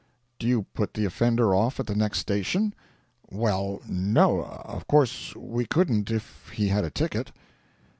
'Do you put the offender off at the next station?' 'Well, no of course we couldn't if he had a ticket.'